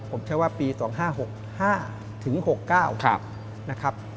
ผมเชื่อว่าปี๒๕๖๕๖๙นะครับ